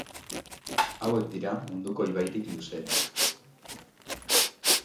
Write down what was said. Hauek dira munduko ibairik luzeenak.